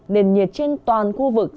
nền nhiệt trên toàn khu vực